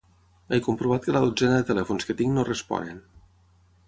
He comprovat que la dotzena de telèfons que tinc no responen.